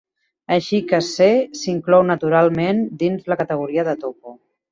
Així que "C" s'inclou naturalment dins la categoria de topo.